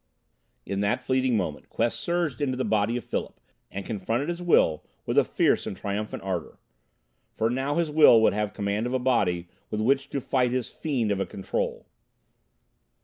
In that fleeting moment Quest surged into the body of Philip and confronted his will with a fierce and triumphant ardor. For now his will would have command of a body with which to fight his fiend of a Control.